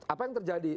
apa yang terjadi